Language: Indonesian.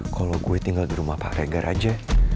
kalau gue tinggal di rumah pak regar aja